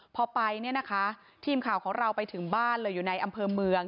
พอไปเนี่ยนะคะทีมข่าวของเราไปถึงบ้านเลยอยู่ในอำเภอเมือง